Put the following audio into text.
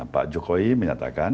pak jokowi menyatakan